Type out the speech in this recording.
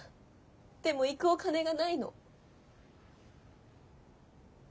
でも行くお金がないの。